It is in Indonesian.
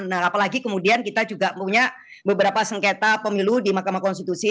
nah apalagi kemudian kita juga punya beberapa sengketa pemilu di mahkamah konstitusi